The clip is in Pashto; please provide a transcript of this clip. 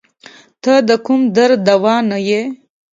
ته د کوم درد دوا نه یی